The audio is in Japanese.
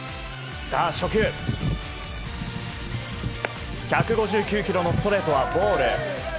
初球、１５９キロのストレートはボール。